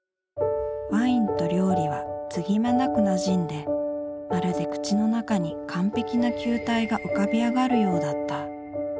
ワインと料理は継ぎ目なく馴染んでまるで口の中に完璧な球体が浮かび上がるようだった。